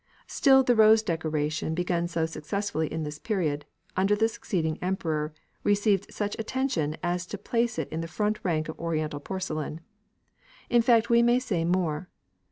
Still the rose decoration begun so successfully in this period, under the succeeding Emperor, received such attention as placed it in the front rank of Oriental porcelain In fact, we may say more.